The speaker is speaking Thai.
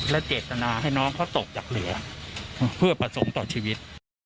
และเจตนาให้น้องเขาตกจากเรือเพื่อประสงค์ต่อชีวิต